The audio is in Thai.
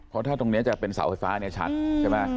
เพราะถ้าตรงนี้จะเป็นเสาไฟฟ้าเนี่ยชัดใช่ไหม